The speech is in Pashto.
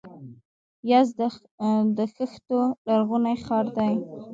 یزد د خښتو لرغونی ښار دی.